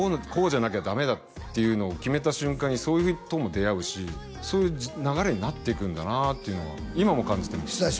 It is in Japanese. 「こうじゃなきゃダメだ」っていうのを決めた瞬間にそういう人も出会うしそういう流れになっていくんだなっていうのが今も感じてます